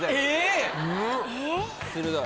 鋭い。